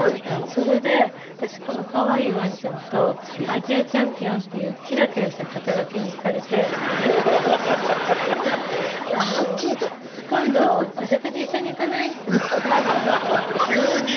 それで私このかわいいわんちゃんとアジアチャンピオンっていうきらきらした肩書にひかれてはっきりと「今度お食事一緒に行かない？」って急に？